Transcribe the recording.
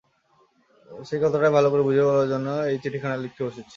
সেই কথাটাই ভালো করে বুঝিয়ে বলবার জন্যে এই চিঠিখানি লিখতে বসেছি।